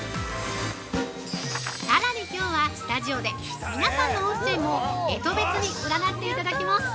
さらにきょうは、スタジオで皆さんの運勢も干支別に占っていただきます